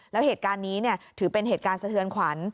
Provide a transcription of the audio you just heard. แล้วเหตุการณ์นี้ถือเป็นเหตุการณ์สะเทือนขวัญ